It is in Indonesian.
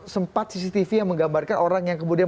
sempat cctv yang menggambarkan orang yang kemudian